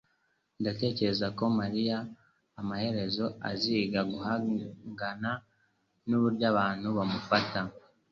Ndatekereza ko mariya amaherezo aziga guhangana nuburyo abantu bamufata